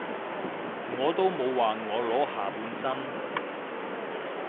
我都冇話我裸下半身